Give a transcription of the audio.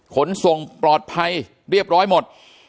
ขนส่งปลอดภัยเรียบร้อยหมด